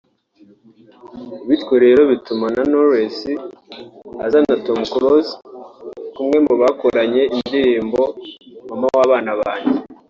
bityo rero bituma na Knowless azana Tom Close nk’umwe mubakoranye indirimbo “Mama w’Abana banjye”